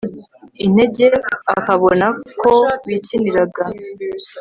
intege akabona ko wikiniraga